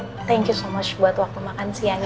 thank you so much buat waktu makan siang